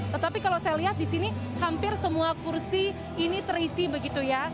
tetapi kalau saya lihat di sini hampir semua kursi ini terisi begitu ya